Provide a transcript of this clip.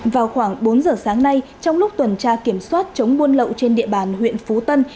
vào khoảng bốn giờ sáng nay trong lúc tuần tra kiểm soát chống buôn lậu trên địa bàn huyện phú tân